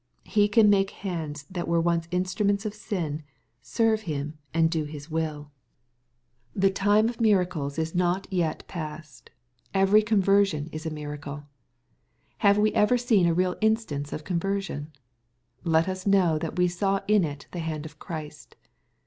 He can make hands that were once instruments of sin, serve Him and do His wilL The time of miracles 186 EXPOSITOBT THOUGHTS. is not yet past. Every conversion is a miracle. Ilave '' we ever seen a real instance of conversion ? Let us know that we saw in it the hand of Christ.